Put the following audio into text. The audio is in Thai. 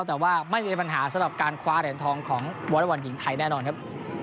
แต่ว่าไม่มีปัญหาสำหรับการคว้าแดนทองของวลัยวรรณหญิงไทยแน่นอนครับ